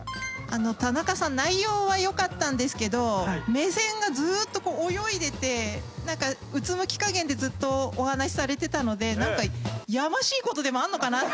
田中さん内容はよかったんですけど目線がずーっと泳いでてなんかうつむき加減でずっとお話しされてたのでなんかやましい事でもあるのかなって。